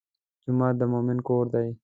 جومات د مؤمن کور دی.